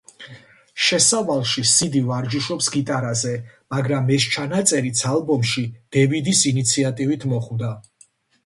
შესავალში სიდი ვარჯიშობს გიტარაზე, მაგრამ ეს ჩანაწერიც ალბომში დევიდის ინიციატივით მოხვდა.